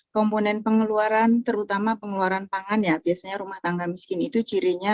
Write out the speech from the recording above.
komponen pengeluaran terutama pengeluaran pangan ya biasanya rumah tangga miskin itu cirinya